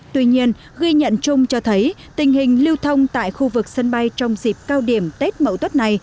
tuy nhiên ghi nhận chung cho thấy tình hình lưu thông tại khu vực sân bay trong dịp cao điểm tết mậu tuất này